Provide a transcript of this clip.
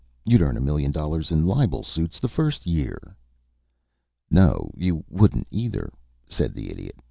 "You'd earn $1,000,000 in libel suits the first year." "No, you wouldn't, either," said the Idiot.